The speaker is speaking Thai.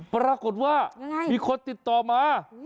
ปรากฏว่ามีคนติดต่อมา